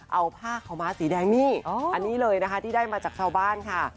เอาผ้าขาวม้าสีแดงนี่อันนี้เลยนะคะที่ได้มาจากชาวบ้านค่ะ